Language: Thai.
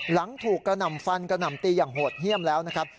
หลังถูกกระหน่ำฟันกระหน่ำตีอย่างโหดเยี่ยมแล้วนะครับ